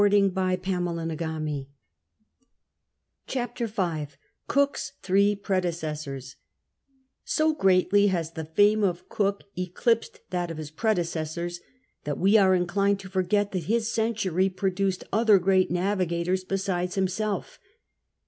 18, 1740 June 15, 1744 CHAPTER V cook's three predecessors So greatly has the fame of Cook eclipsed that of his predecessoi's, that we are inclined to forget that his century produced other gi eat navigators besides himself.